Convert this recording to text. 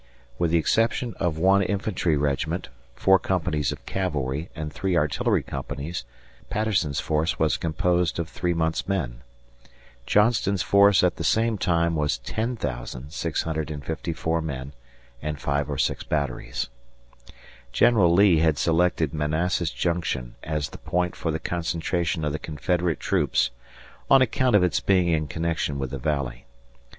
With the exception of one infantry regiment, four companies of cavalry, and three artillery companies, Patterson's force was composed of three months' men. Johnston's force at the same time was 10,654 men and five or six batteries. General Lee had selected Manassas Junction as the point for the concentration of the Confederate troops on account of its being in connection with the Valley.